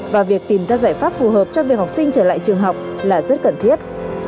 và việc tìm ra giải pháp phù hợp cho việc học sinh trở lại trường học là rất cần thiết